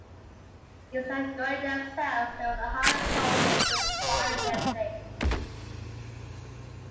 Instead of going themselves, they would hire a soldier to fight in their place.